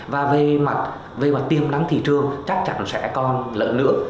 và về mặt tiêm nắng thị trường chắc chắn sẽ còn lỡ nữa